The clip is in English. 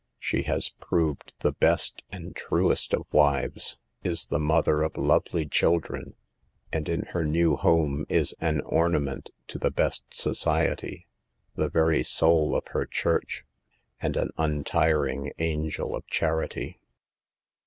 She has proved the best and truest of wives, is the mother of lovely chil ■ dren, and in her new home is an ornament to the best society, the very soul of her church, and an untiring angel of 'charity.